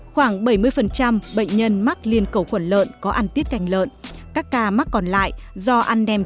khoảng bảy mươi bệnh nhân mắc liên cầu khuẩn lợn có ăn tiết canh lợn các ca mắc còn lại do ăn đem